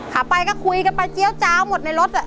ขาไปก็คุยกันไปเจี๊ยวเจ้าหมดในรถ